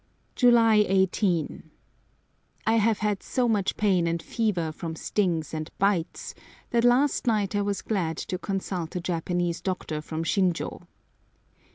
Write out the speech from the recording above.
July 18.—I have had so much pain and fever from stings and bites that last night I was glad to consult a Japanese doctor from Shinjô.